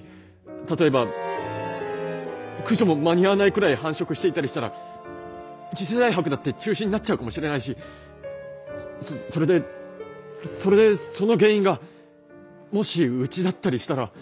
例えば駆除も間に合わないくらい繁殖していたりしたら次世代博だって中止になっちゃうかもしれないしそれでそれでその原因がもしうちだったりしたら。